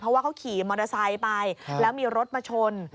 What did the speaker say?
เพราะว่าเขาขี่มอเตอร์ไซค์ไปแล้วมีรถมาชน